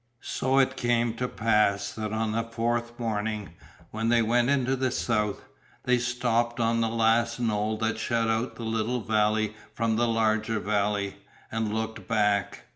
So it came to pass that on the fourth morning, when they went into the south, they stopped on the last knoll that shut out the little valley from the larger valley, and looked back.